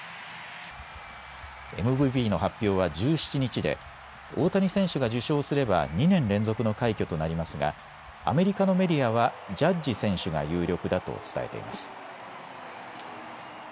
ＭＶＰの発表は１７日で大谷選手が受賞すれば２年連続の快挙となりますがアメリカのメディアはジャッジ選手が有力だと伝えています。